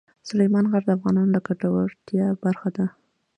سلیمان غر د افغانانو د ګټورتیا برخه ده.